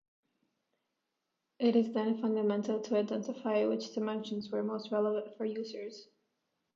It is then fundamental to identify which dimensions were most relevant for users.